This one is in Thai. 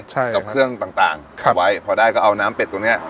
ใช่กับเครื่องต่างต่างครับไว้พอได้ก็เอาน้ำเป็ดตัวเนี้ย